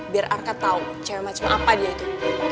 biar arka tau cewek macem apa dia itu